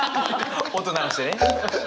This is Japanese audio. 音鳴らしてね。